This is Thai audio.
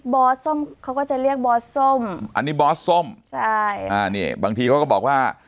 อส้มเขาก็จะเรียกบอส้มอันนี้บอสส้มใช่อ่านี่บางทีเขาก็บอกว่า